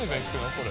これ。